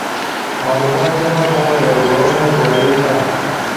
معلومات جمع تھا, رازونو جاری تھا